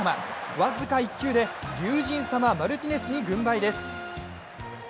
僅か１球で竜神様・マルティネスに軍配です。